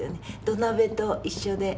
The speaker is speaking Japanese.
土鍋と一緒で。